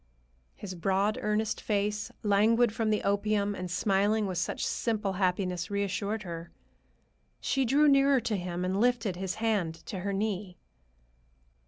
His broad, earnest face, languid from the opium and smiling with such simple happiness, reassured her. She drew nearer to him and lifted his hand to her knee.